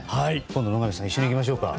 今度、野上さん一緒に行きましょうか。